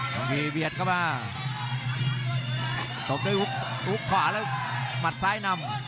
บางทีเบียดเข้ามาตบด้วยฮุกขวาแล้วหมัดซ้ายนำ